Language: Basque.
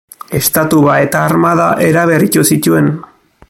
Estatua eta armada eraberritu zituen.